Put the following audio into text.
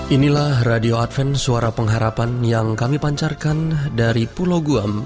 inilah radio adven suara pengharapan yang kami pancarkan dari pulau guam